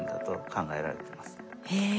へえ。